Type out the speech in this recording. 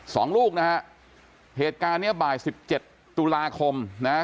สองลูกนะฮะเหตุการณ์เนี้ยบ่ายสิบเจ็ดตุลาคมนะฮะ